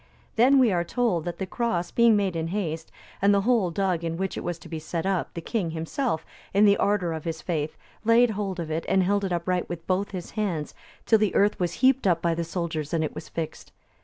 Then, we are told, that the cross being made in haste, and the hole dug in which it was to be set up, the king himself, in the ardour of his faith, laid hold of it and held it upright with both his hands, till the earth was heaped up by the soldiers and it was fixed.